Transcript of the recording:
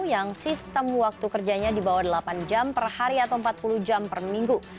yang sistem waktu kerjanya di bawah delapan jam per hari atau empat puluh jam per minggu